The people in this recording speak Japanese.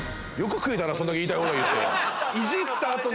そんだけ言いたい放題言って。